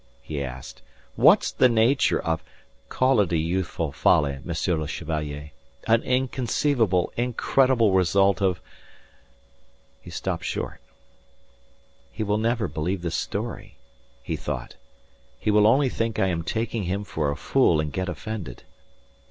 he asked. "What's the nature of..." "Call it a youthful folly, Monsieur le Chevalier. An inconceivable, incredible result of..." He stopped short. "He will never believe the story," he thought. "He will only think I am taking him for a fool and get offended."